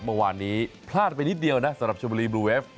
เมื่อวานนี้พลาดไปนิดเดียวนะสำหรับชมบุรีบลูเวฟ